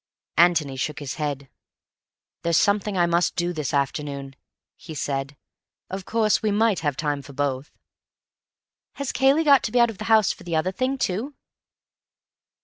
Antony shook his head. "There's something I must do this afternoon," he said. "Of course we might have time for both." "Has Cayley got to be out of the house for the other thing too?"